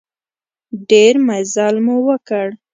ډېر مزل مو وکړ.